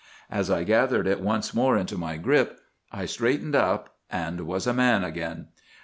As I gathered it once more into my grip, I straightened up and was a man again.